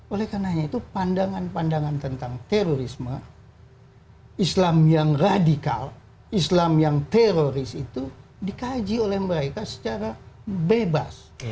oleh karena itu pandangan pandangan tentang terorisme islam yang radikal islam yang teroris itu dikaji oleh mereka secara bebas